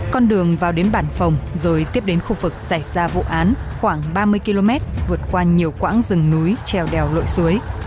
con đường vào đến bản phòng rồi tiếp đến khu vực xảy ra vụ án khoảng ba mươi km vượt qua nhiều quãng rừng núi trèo đèo lội suối